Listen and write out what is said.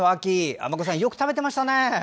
尼子さん、よく食べてましたね。